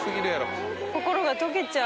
心がとけちゃう。